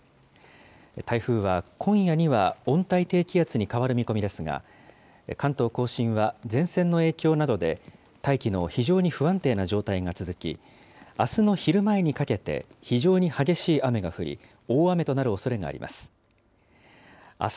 台風は今夜には温帯低気圧に変わる見込みですが、関東甲信は前線の影響などで、大気の非常に不安定な状態が続き、あすの昼前にかけて非常に激しい雨が降り、大雨となるおそれがあります。